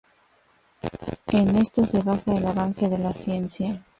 En esto se basa el avance de la ciencia.